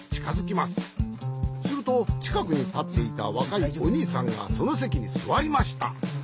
するとちかくにたっていたわかいおにいさんがそのせきにすわりました。